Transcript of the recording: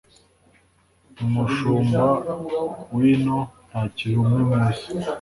Umushumba w’ino ntakiri umwe muzi